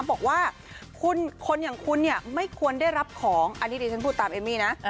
บอกว่าคนอย่างคุณเนี่ยไม่ควรได้รับของอันนี้ดิฉันพูดตามเอมมี่นะ